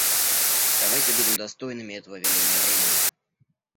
Давайте будем достойными этого веления времени.